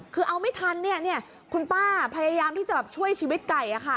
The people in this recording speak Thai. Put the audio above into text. คือเอาไม่ทันคุณป้าพยายามที่จะช่วยชีวิตไก่